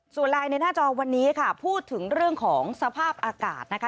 ส่วนไลน์ในหน้าจอวันนี้ค่ะพูดถึงเรื่องของสภาพอากาศนะคะ